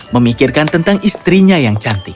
memikirkan tentang istrinya yang cantik